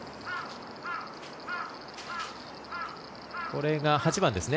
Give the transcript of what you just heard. これが８番ですね。